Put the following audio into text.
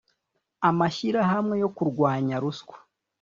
amashyirahamwe yo kurwanya ruswa